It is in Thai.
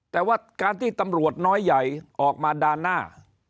แต่ว่าการที่ตำรวจน้อยใหญ่ออกมาด้านหน้า